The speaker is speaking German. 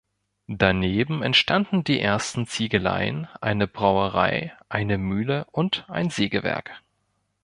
Daneben entstanden die ersten Ziegeleien, eine Brauerei, eine Mühle und ein Sägewerk.